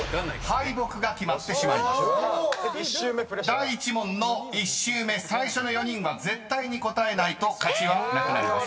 ［第１問の１周目最初の４人は絶対に答えないと勝ちはなくなります］